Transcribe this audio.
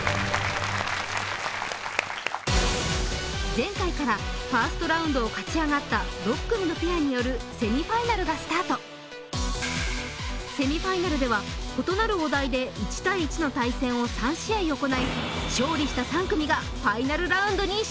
前回からファーストラウンドを勝ち上がった６組のペアによるセミファイナルがスタートセミファイナルでは異なるお題で１対１の対戦を３試合行い